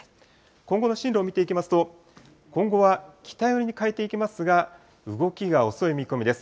今後の進路を見ていきますと、今後は北寄りに変えていきますが、動きが遅い見込みです。